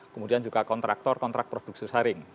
kemudian juga kontraktor kontrak produk susaring